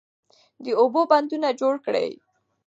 د اوبو بندونه جوړ کړئ.